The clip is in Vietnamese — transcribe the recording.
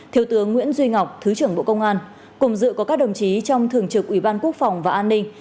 thiếu tướng nguyễn duy ngọc thứ trưởng bộ công an cùng dự có các đồng chí trong thường trực ủy ban quốc phòng và an ninh